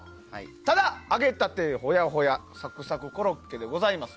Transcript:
ただ、揚げたてホヤホヤサクサクコロッケでございます。